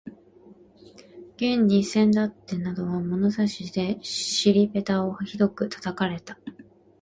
現にせんだってなどは物差しで尻ぺたをひどく叩かれた